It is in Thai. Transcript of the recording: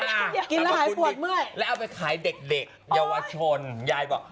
ก็สรรพคุณเด็กกินแล้วหายปวดเมื่อยแล้วเอาไปขายเด็กเด็กยาวชนยายบอก